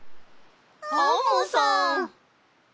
アンモさん！